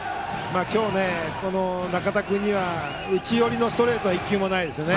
今日、仲田君には内寄りのストレートは１球もないですよね。